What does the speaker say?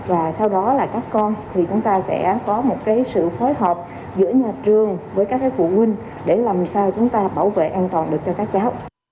và sau đó là các con thì chúng ta sẽ có một sự phối hợp giữa nhà trường với các phụ huynh để làm sao chúng ta bảo vệ an toàn được cho các cháu